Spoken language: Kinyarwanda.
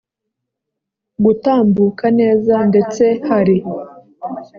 gutambuka neza ndetse hari